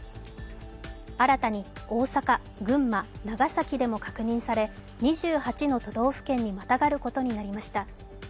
新たに大阪、群馬、長崎でも確認され２８の都道府県にまたがることになりました。